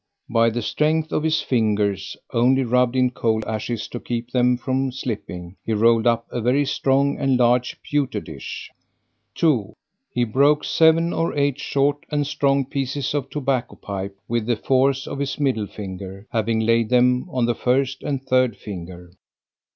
By the strength of his fingers (only rubbed in coal ashes to keep them from slipping) he rolled up a very strong and large pewter dish. 2. He broke seven or eight short and strong pieces of tobacco pipe with the force of his middle finger, having laid them on the first and third finger.